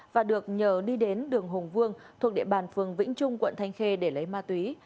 và được nhờ đi đến đường hùng vương thuộc địa bàn phường vĩnh trung quận thanh khê để lấy ma túy